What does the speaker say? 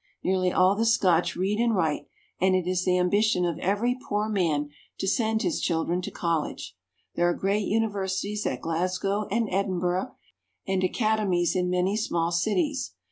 Nearly all the Scotch read and write, and it is the ambition of every poor man to send his chil dren to college. There are great universities at Glasgow and Edinburgh, and academies in many small cities.